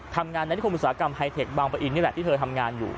ทำงานในความอุตสาหกรรมไฮเทคบางประอินที่เธอทำงานอยู่